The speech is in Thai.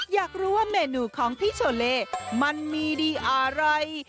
อยากรู้ว่าเมนูของพี่โชเลมันมีดีอะไร